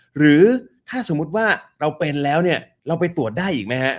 หรือถ้าสมมุติว่าเราเป็นแล้วเนี่ยเราไปตรวจได้อีกไหมฮะ